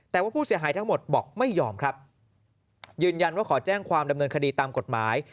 แต่ว่าผู้เสียหายทั้งหมดบอกไม่ยอมครับยืนยันว่าขอแจ้งความดำเนินคดีตามกฎหมาย